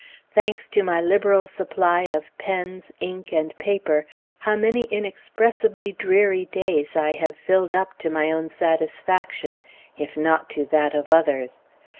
Thanks to my liberal supply of pens, ink, and paper, how many inexpressibly dreary days I have filled up to my own satisfaction, if not to that of others!